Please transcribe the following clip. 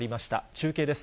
中継です。